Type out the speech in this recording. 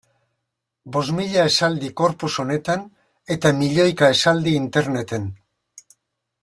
Bost mila esaldi corpus honetan eta milioika esaldi interneten.